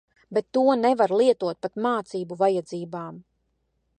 Bet to nevaru lietot pat mācību vajadzībām.